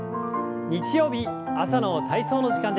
日曜日朝の体操の時間です。